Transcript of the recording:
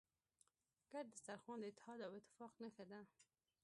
ګډ سترخوان د اتحاد او اتفاق نښه ده.